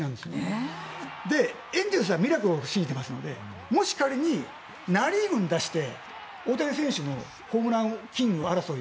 エンゼルスはミラクルを信じていますのでもし仮にナ・リーグに出して大谷選手のホームランキング争い